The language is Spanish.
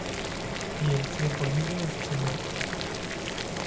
Y el siervo libre de su señor.